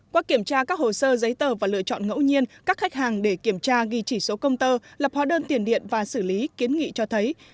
qua kiểm tra các hồ sơ giấy tờ và lựa chọn ngẫu nhiên các khách hàng để kiểm tra ghi chỉ số công tơ lập hóa đơn tiền điện và xử lý kiến nghị cho thấy